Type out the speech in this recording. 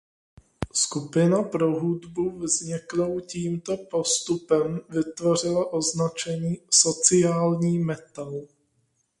Skupina pro hudbu vzniklou tímto postupem vytvořila označení "sociální metal".